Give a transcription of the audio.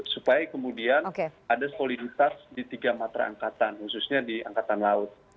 supaya kemudian ada soliditas di tiga matra angkatan khususnya di angkatan laut